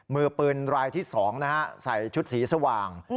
มือปืนรายที่๒นะฮะใส่ชุดสีสว่าง